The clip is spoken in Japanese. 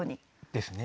ですね。